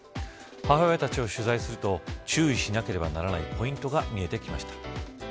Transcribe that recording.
母親たちを取材すると注意しなければならないポイントが見えてきました。